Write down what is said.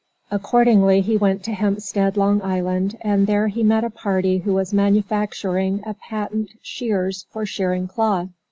Accordingly he went to Hempstead, Long Island, and there he met a party who was manufacturing a patent shears for shearing cloth.